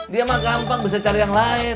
dia mah gampang bisa cari yang lain